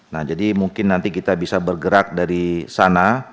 nah jadi mungkin nanti kita bisa bergerak dari sana